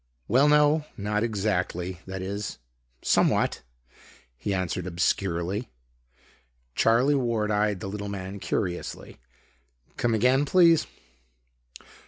"Well, no, not exactly; that is, somewhat," he answered obscurely. Charlie Ward eyed the little man curiously. "Come again, please?"